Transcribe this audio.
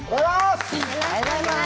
おはようございます。